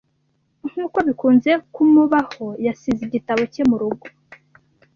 Nkuko bikunze kumubaho, yasize igitabo cye murugo